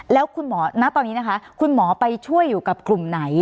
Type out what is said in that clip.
แล้วคุณหมอณตอนนี้นะคะคุณหมอไปช่วยอยู่กับกลุ่มไหน